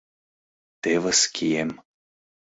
Тевыс кием...